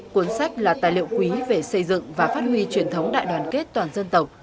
cuốn sách là tài liệu quý về xây dựng và phát huy truyền thống đại đoàn kết toàn dân tộc